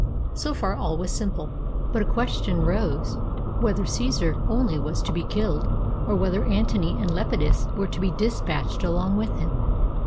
So far all was simple; but a question rose whether Caesar only was to be killed, or whether Antony and Lepidus were to be dispatched along with him.